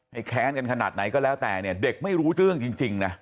แค้นกันขนาดไหนก็แล้วแต่เนี่ยเด็กไม่รู้เรื่องจริงนะ